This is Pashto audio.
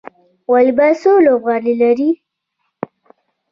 والیبال څو لوبغاړي لري؟